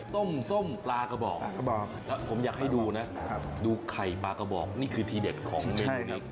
ต้มส้มปลากระบอกแล้วผมอยากให้ดูนะดูไข่ปลากระบอกนี่คือทีเด็ดของเมนูนี้